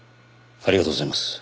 ありがとうございます。